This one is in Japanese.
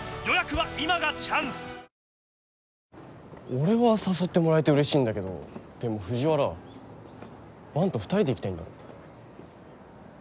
俺は誘ってもらえてうれしいんだけどでも藤原伴と２人で行きたいんだろ？